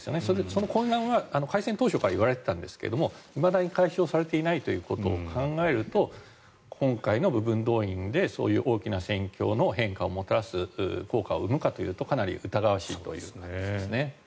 その混乱は開戦当初からいわれていたんですがいまだに解消されていないということを考えると今回の部分動員でそういう大きな戦況の変化をもたらす効果を生むかというとかなり疑わしいという感じですね。